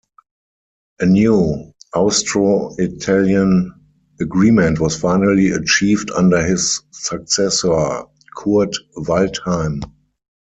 A new Austro-Italian agreement was finally achieved under his successor Kurt Waldheim.